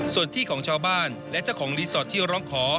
ส่วนที่ของชาวบ้านและเจ้าของรีสอร์ทที่ร้องขอ